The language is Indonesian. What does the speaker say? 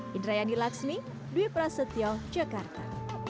hidrayani laksmi dwi prasetyo jakarta